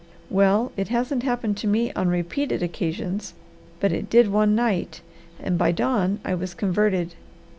"Well it hasn't happened to me 'on repeated occasions,' but it did one night, and by dawn I was converted.